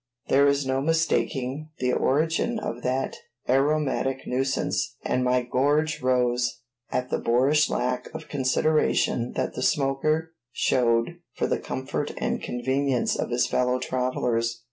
There is no mistaking the origin of that aromatic nuisance, and my gorge rose at the boorish lack of consideration that the smoker showed for the comfort and convenience of his fellow travelers.